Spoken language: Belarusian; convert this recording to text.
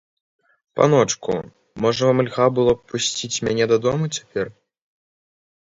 Паночку, можа вам льга было б пусціць мяне дадому цяпер.